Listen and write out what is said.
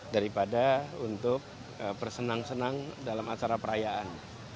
daripada untuk bersenang senang dalam acara perayaan